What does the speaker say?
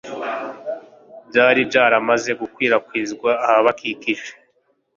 byari byaramaze gukwirakwizwa ahabakikije.